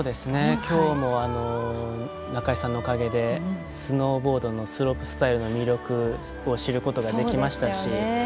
今日も中井さんのおかげでスノーボードのスロープスタイルの魅力を知ることができましたし。